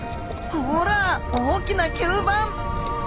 ほら大きな吸盤！